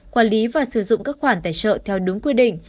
quản lý và sử dụng các khoản tài trợ theo đúng quy định